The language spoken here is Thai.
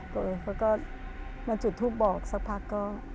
เขาก็มาจุดทูบบอกสักพักก็